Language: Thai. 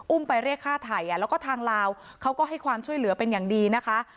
ไปเรียกฆ่าไทยแล้วก็ทางลาวเขาก็ให้ความช่วยเหลือเป็นอย่างดีนะคะ